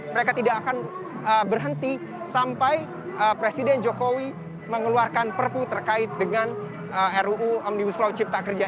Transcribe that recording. mereka tidak akan berhenti sampai presiden jokowi mengeluarkan perpu terkait dengan ruu omnibus law cipta kerja